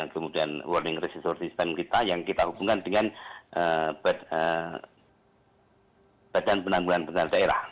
kemudian warning resistor sistem kita yang kita hubungkan dengan badan penanggulan penanggulan daerah